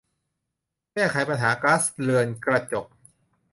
แก้ไขปัญหาก๊าซเรือนกระจก